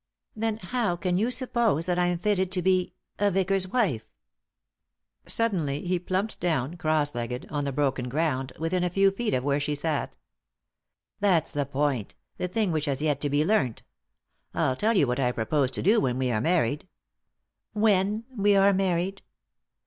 " Then how can you suppose that I am fitted to be — a vicar's wife ?" Suddenly he plumped down, cross legged, on the broken ground, within a few feet of where she sat. "That's the point, the thing which has yet to be learnt I'll tell you what I propose to do when we are married." " When we are married."